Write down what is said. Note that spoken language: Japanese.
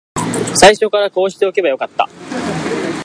最初からこうしておけばよかった